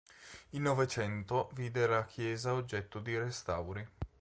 Il Novecento vide la chiesa oggetto di restauri.